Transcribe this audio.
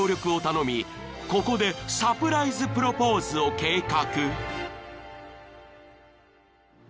ここでサプライズ・プロポーズを計画］